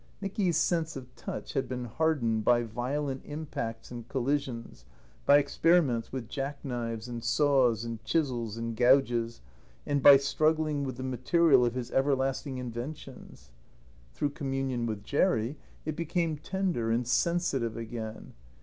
Nicky's sense of touch had been hardened by violent impacts and collisions, by experiments with jack knives and saws and chisels and gouges, and by struggling with the material of his everlasting inventions. Through communion with Jerry it became tender and sensitive again.